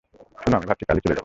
শোন, আমি ভাবছি কালই চলে যাব।